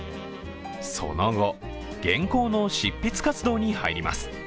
その後、原稿の執筆活動に入ります。